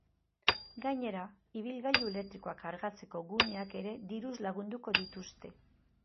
Gainera, ibilgailu elektrikoak kargatzeko guneak ere diruz lagunduko dituzte.